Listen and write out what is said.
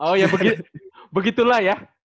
oh ya begitulah ya